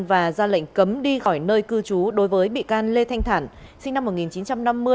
và ra lệnh cấm đi khỏi nơi cư trú đối với bị can lê thanh thản sinh năm một nghìn chín trăm năm mươi